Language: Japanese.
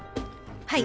はい。